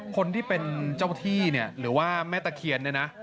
คนที่เป็นเจ้าที่นะหรือแม่ตะเคียน